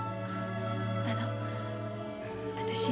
あの私。